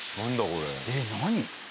これえ何？